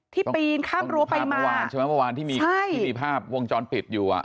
ที่ปีนข้ามรั้วไปมาใช่ที่มีภาพวงจรปิดอยู่อ่ะ